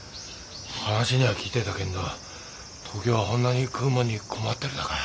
話には聞いてたけんど東京はほんなに食うもんに困ってるだか。